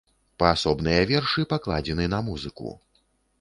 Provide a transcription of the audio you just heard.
Паасобныя вершы пакладзены на музыку.